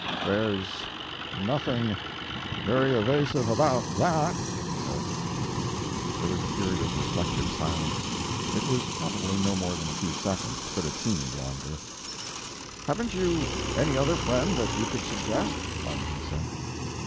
"There's nothing very evasive about that," he said: There was a period of reflective silence. It was probably no more than a few seconds, but it seemed longer. "Haven't you any other friend that you could suggest?" Langdon said.